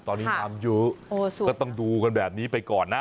ตอนนี้น้ำเยอะก็ต้องดูกันแบบนี้ไปก่อนนะ